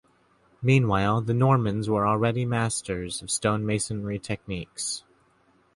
Meanwhile, the Normans were already masters of stonemasonry techniques.